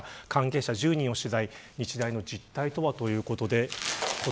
関係者１０人を取材日大の事態とはということです。